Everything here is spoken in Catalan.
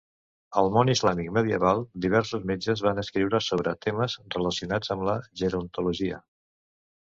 Al món islàmic medieval, diversos metges van escriure sobre temes relacionats amb la gerontologia.